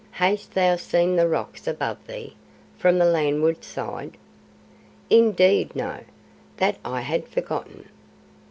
"Hast thou seen the rocks above thee? From the landward side?" "Indeed, no. That I had forgotten."